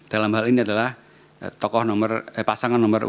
dalam hal ini adalah tokoh nomor pasangan urut nomor satu